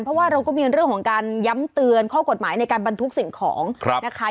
เพราะว่าเราก็มีเรื่องของการย้ำเตือนข้อกฎหมายในการบรรทุกสิ่งของนะคะ